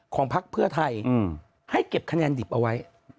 พักเพื่อไทยให้เก็บคะแนนดิบเอาไว้